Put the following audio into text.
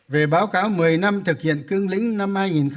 về báo cáo một mươi năm thực hiện cương lĩnh năm hai nghìn một mươi một